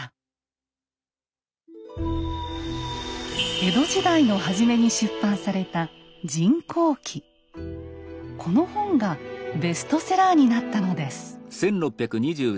江戸時代の初めに出版されたこの本がベストセラーになったのです。